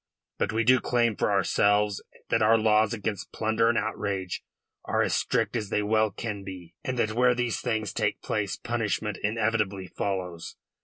But we do claim for ourselves that our laws against plunder and outrage are as strict as they well can be, and that where these things take place punishment inevitably follows.